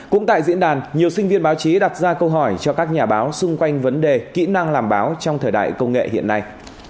cũng tại diễn đàn nhiều sinh viên báo chí đặt ra câu hỏi cho các nhà báo xung quanh vấn đề kỹ năng làm báo trong thời đại công nghệ hiện nay